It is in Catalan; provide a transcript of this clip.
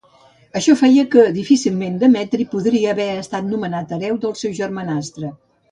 Això feia que difícilment Demetri podria haver estat nomenat hereu del seu germanastre.